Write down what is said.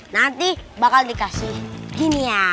nanti bakal dikasih gini ya